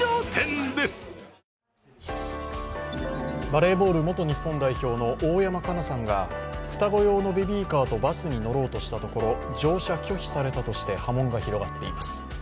バレーボール元日本代表の大山加奈さんが双子用のベビーカーとバスに乗ろうとしたところ乗車拒否されたとして波紋が広がっています。